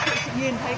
cả cái gà đông lạnh